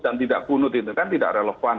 dan tidak kunud itu kan tidak relevan